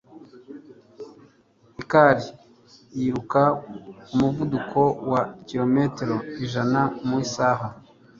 Hikari yiruka ku muvuduko wa kilometero ijana mu isaha.